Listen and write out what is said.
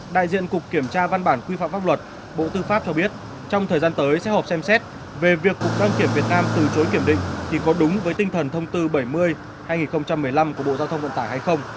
đại diện cục kiểm tra văn bản quy phạm pháp luật bộ tư pháp cho biết trong thời gian tới sẽ họp xem xét về việc cục đăng kiểm việt nam từ chối kiểm định thì có đúng với tinh thần thông tư bảy mươi hai nghìn một mươi năm của bộ giao thông vận tải hay không